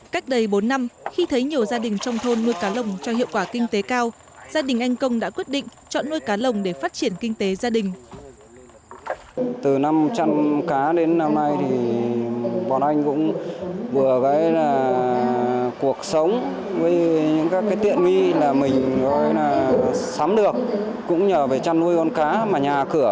cách đây bốn năm khi thấy nhiều gia đình trong thôn nuôi cá lồng cho hiệu quả kinh tế cao gia đình anh công đã quyết định chọn nuôi cá lồng để phát triển kinh tế giảm nghèo